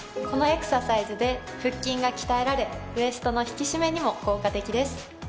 このエクササイズで腹筋が鍛えられウエストの引き締めにも効果的です。